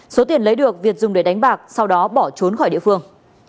số tiền lấy được việt dùng để đánh bạc sau đó bỏ trốn khỏi địa phương